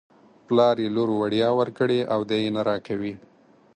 پلار یې لور وړيا ورکړې او دی یې نه راکوي.